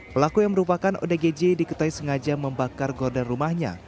pelaku yang merupakan odgj diketahui sengaja membakar gorden rumahnya